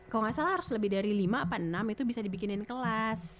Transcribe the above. kalau gak salah harus lebih dari lima apa enam itu bisa dibikinin kelas